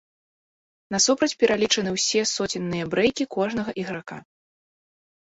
Насупраць пералічаны ўсе соценныя брэйкі кожнага іграка.